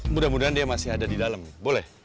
mudah mudahan dia masih ada di dalam boleh